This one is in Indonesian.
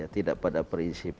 tidak pada prinsip